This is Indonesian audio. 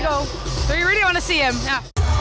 jadi anda benar benar ingin melihatnya